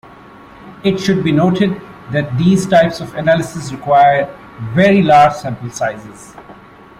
It should be noted that these types of analysis require very large sample sizes.